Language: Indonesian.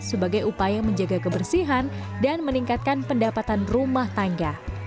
sebagai upaya menjaga kebersihan dan meningkatkan pendapatan rumah tangga